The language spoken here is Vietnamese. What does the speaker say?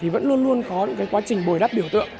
vẫn luôn luôn có những quá trình bồi đáy